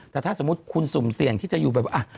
แต่ถ้าสมมุติคุณสุ่มเสี่ยงที่จะอยู่แบบว่า